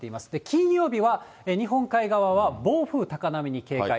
金曜日は日本海側は暴風、高波に警戒。